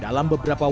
dalam beberapa uang